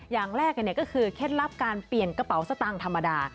อย่างแรกก็คือเคล็ดลับการเปลี่ยนกระเป๋าสตางค์ธรรมดา